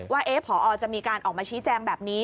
ว่าพอจะมีการออกมาชี้แจงแบบนี้